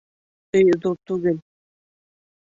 Өй ҙур түгел